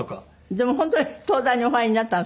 でも本当に東大にお入りになったの？